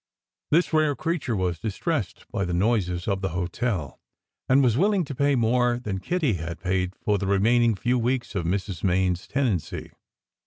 This rare creature was distressed by the noises of the hotel, and was willing to pay more than Kitty had paid, for the remaining few weeks of Mrs. Main s tenancy.